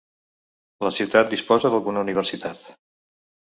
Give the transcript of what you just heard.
La ciutat disposa d'alguna universitat.